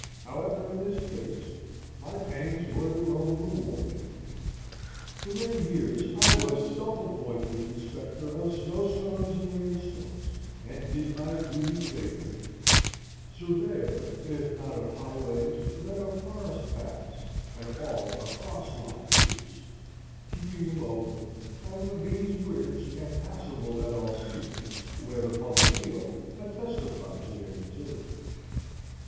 However, in this case my pains were their own reward. For many years I was self appointed inspector of snow storms and rain storms, and did my duty faithfully; surveyor, if not of highways, then of forest paths and all across lot routes, keeping them open, and ravines bridged and passable at all seasons, where the public heel had testified to their utility.